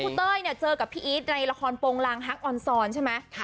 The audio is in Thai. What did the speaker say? เต้ยเนี่ยเจอกับพี่อีทในละครโปรงลางฮักออนซอนใช่ไหม